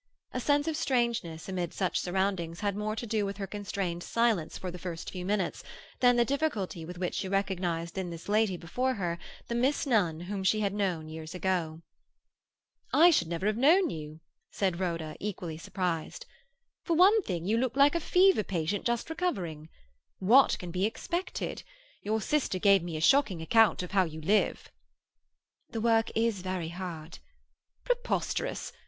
A sense of strangeness amid such surroundings had more to do with her constrained silence for the first few minutes than the difficulty with which she recognized in this lady before her the Miss Nunn whom she had known years ago. "I should never have known you," said Rhoda, equally surprised. "For one thing, you look like a fever patient just recovering. What can be expected? Your sister gave me a shocking account of how you live." "The work is very hard." "Preposterous.